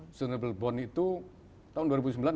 sustainable bond itu tahun dua ribu sembilan